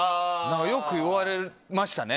よく言われましたね。